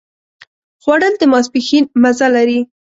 خوړل د ماسپښين مزه لري